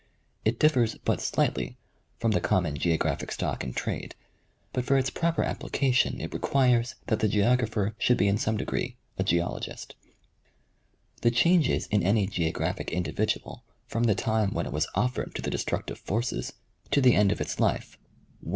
It differs but slightly from the common geographic stock in trade, but for its proper application it requires that the geographer should be in some degree a geologist. The changes in any geographic individual from the time when it was offered to th e destructive forces to the end of its life, when 20 National GeografJdG Magazine.